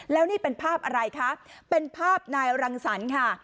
แล้วนี่เป็นภาพอะไรคะเป็นภาพนายรังสรรค์ค่ะ